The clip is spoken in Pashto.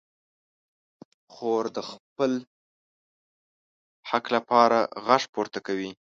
خور د خپل حق لپاره غږ پورته کوي.